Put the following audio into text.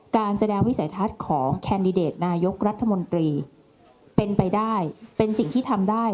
การแสดงวิสัยทัศน์ของแคนดิเดตนายกรัฐมนตรีเป็นไปได้เป็นสิ่งที่ทำได้